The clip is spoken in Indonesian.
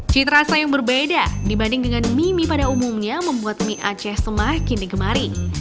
cita rasa yang berbeda dibanding dengan mimi pada umumnya membuat mie aceh semakin digemari